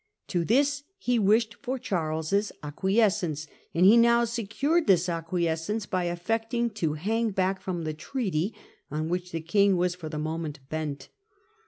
To this he wished for Charles's acquiescence, and he now secured this acquiescence by affecting to hang back from the treaty, on which the King was for the moment bent.